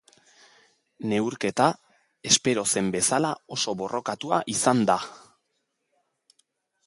Neurketa, espero zen bezala oso boorkatua izan da.